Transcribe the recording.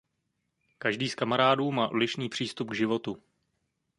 Každý z kamarádů má odlišný přístup k životu.